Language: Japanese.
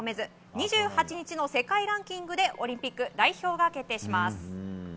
２８日の世界ランキングでオリンピック代表が決定します。